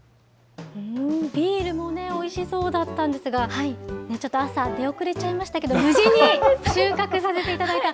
ビールもね、おいしそうだったんですが、ちょっと朝、出遅れちゃいましたけど、無事に収穫させていただいた。